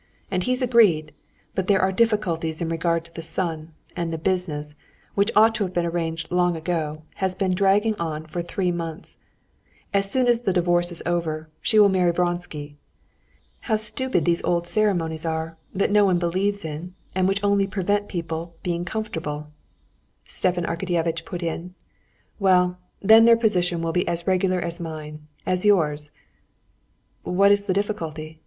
And he's agreed; but there are difficulties in regard to the son, and the business, which ought to have been arranged long ago, has been dragging on for three months past. As soon as the divorce is over, she will marry Vronsky. How stupid these old ceremonies are, that no one believes in, and which only prevent people being comfortable!" Stepan Arkadyevitch put in. "Well, then their position will be as regular as mine, as yours." "What is the difficulty?"